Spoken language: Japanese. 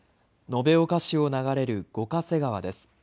延岡市を流れる五ヶ瀬川です。